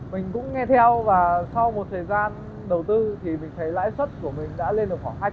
mình cũng nghe theo và sau một thời gian đầu tư thì mình thấy lãi xuất của mình đã lên được khoảng hai trăm linh